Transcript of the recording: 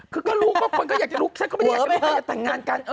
คือก็รู้คนก็อยากจะรู้ฉันก็ไม่ถามกว่าจะแต่งงานกัน